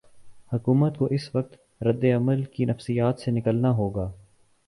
حکومت کو اس وقت رد عمل کی نفسیات سے نکلنا ہو گا۔